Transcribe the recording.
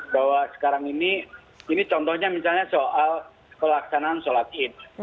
bahwa sekarang ini ini contohnya misalnya soal pelaksanaan sholat id